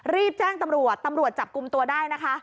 รีบแจ้งตำรวจตำรวจจับกลุ่มตัวได้นะคะ